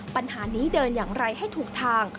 ปัญหานี้เดินอย่างไรให้ถูกทาง